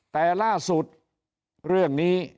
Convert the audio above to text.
แต่ล่าสุดเรื่องนี้